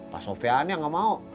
pak sofian yang gak mau